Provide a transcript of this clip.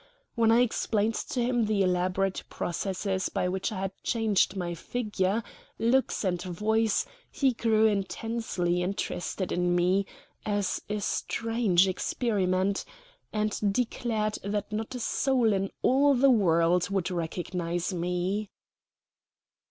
When I explained to him the elaborate processes by which I had changed my figure, looks, and voice, he grew intensely interested in me as a strange experiment, and declared that not a soul in all the world would recognize me.